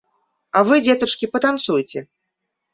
А вы, дзетачкі, патанцуйце.